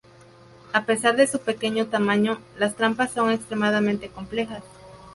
A pesar de su pequeño tamaño, las trampas son extremadamente complejas.